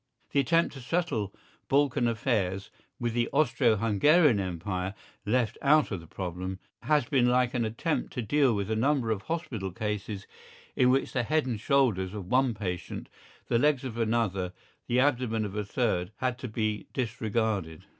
The attempt to settle Balkan affairs with the Austro Hungarian Empire left out of the problem has been like an attempt to deal with a number of hospital cases in which the head and shoulders of one patient, the legs of another, the abdomen of a third had to be disregarded.